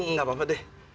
nggak apa apa deh